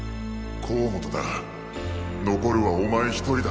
甲本だ残るはお前１人だ